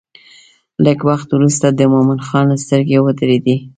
لږ وخت وروسته د مومن خان سترګې ودرېدې.